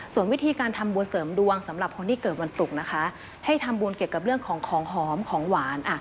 ส่วนวิธีการทำบุญเสริมดวงสำหรับคนที่เกิดวันศุกร์นะคะให้ทำบุญเกี่ยวกับเรื่องของของหอมของหวาน